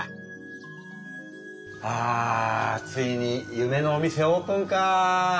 あついに夢のお店オープンかぁ。